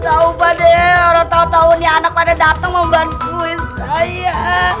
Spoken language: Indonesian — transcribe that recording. orang tau tau ini anak pada dateng membantuin saya